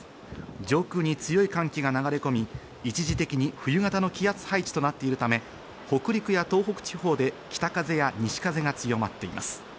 上空に強い寒気が流れ込み、一時的に冬型の気圧配置となっているため、北陸や東北地方で北風や西風が強まっています。